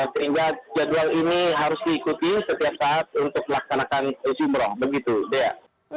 sehingga jadwal ini harus diikuti setiap saat untuk melaksanakan sumroh begitu dea